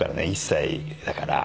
１歳だから。